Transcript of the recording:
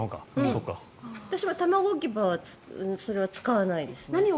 私は卵置き場は使わないですね。